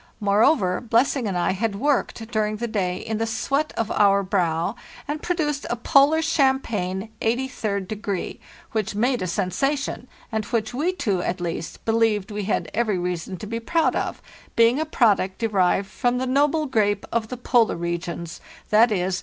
Moreover, Blessing and I had worked during the day in the sweat of our brow and produced a 'Polar Champagne 83d Degree, which made a sensation, and which we two, at least, believed we had every reason to be proud of, being a product derived from the noble grape of the polar regions—viz.